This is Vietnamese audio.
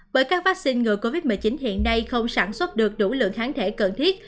bởi các vaccine ngừa covid một mươi chín hiện nay không sản xuất được đủ lượng kháng thể cần thiết